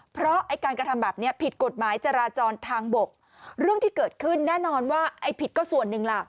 เพราะไอ้การกระทำแบบนี้ผิดกฎหมายจราจรทางบกเรื่องที่เกิดขึ้นแน่นอนว่าไอ้ผิดก็ส่วนหนึ่งล่ะ